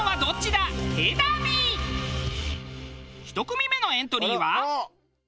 １組目のエントリーは。